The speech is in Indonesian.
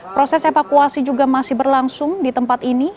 proses evakuasi juga masih berlangsung di tempat ini